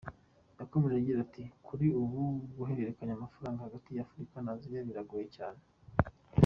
Yakomeje agira ati “Kuri ubu guhererekanya amafaranga hagati ya Afurika na Aziya biragoye cyane.